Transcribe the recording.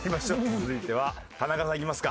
続いては田中さんいきますか。